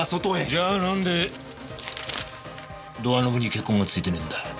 じゃあなんでドアノブに血痕がついてねえんだ？